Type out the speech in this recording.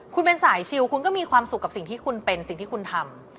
คุณเป็นสายชิลคุณก็มีความสุขกับสิ่งที่คุณเป็นสิ่งที่คุณทำ